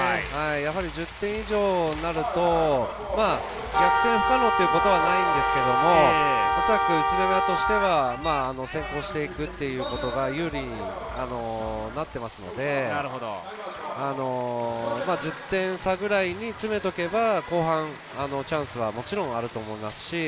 １０点以上になると、逆転不可能というわけではないですが、おそらく宇都宮としては先行していくということが有利になりますので、１０点差くらいに詰めておけば後半、チャンスはもちろんあると思います。